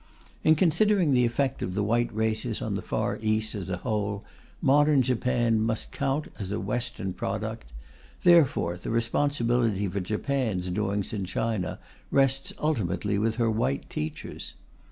In considering the effect of the white races on the Far East as a whole, modern Japan must count as a Western product; therefore the responsibility for Japan's doings in China rests ultimately with her white teachers.